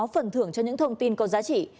bằng những thông tin có giá trị